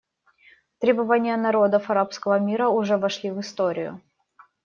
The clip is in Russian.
Требования народов арабского мира уже вошли в историю.